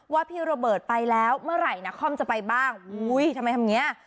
พี่โรเบิร์ตไปแล้วเมื่อไหร่นักคอมจะไปบ้างอุ้ยทำไมทำอย่างเงี้ย